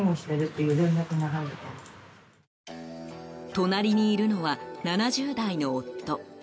隣にいるのは７０代の夫。